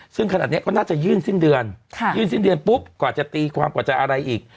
ซึ่งขนาดนี้ก็น่าจะยื่นสิ้นเดือนยื่นสิ้นเดือนปุ๊บกว่าจะตีความกว่าจะอะไรอีก